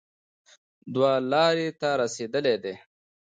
دوه لارې ته رسېدلی دی